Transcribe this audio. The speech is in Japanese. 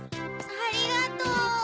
ありがとう。